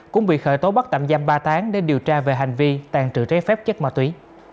cũng bị khởi tố bắt tạm giam ba tháng để điều tra về hành vi tàn trự trái phép chất ma túy